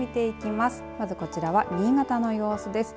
まず、こちらは新潟の様子です。